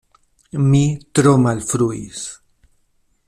Mi tro malfruis!